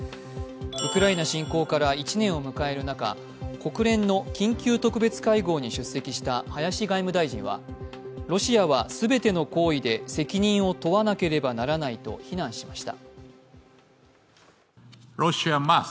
ウクライナ侵攻から１年を迎える中国連の緊急特別会合に出席した林外務大臣はロシアは全ての行為で責任を問わなければならないと非難しました。